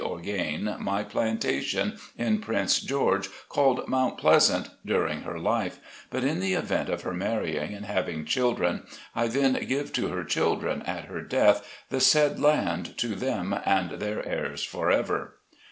Orgain, my plantation in Prince George, called Mt. Pleasant, during her life, but in the event of her marrying and having children, I then give to her children, at her death, the said land, to them and their heirs forever.